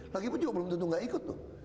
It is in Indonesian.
lagi pun juga belum tentu nggak ikut tuh